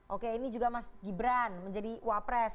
oke ini juga mas gibran menjadi wapres